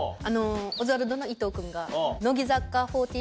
オズワルドの伊藤君が。